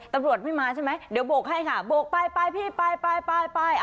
ตำรวจไม่มาใช่ไหมเดี๋ยวโบกให้ค่ะโบกไปไปพี่ไปไป